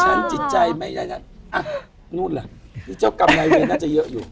ฉันจิตใจไม่ได้นะนู้นละเจ้ากรรมในเวรน่าจะเยอะอยู่